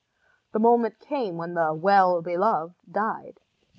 The moment came when the Well Beloved died.